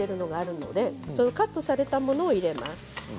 カットされているものを入れます。